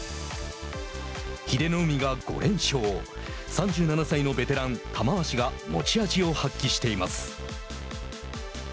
３７歳のベテラン、玉鷲が持ち味を発揮しています。